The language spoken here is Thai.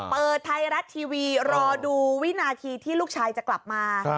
เปิดไทยรัฐทีวีรอดูวินาทีที่ลูกชายจะกลับมา